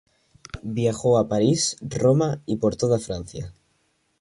Viajó a París, Roma y por toda Francia.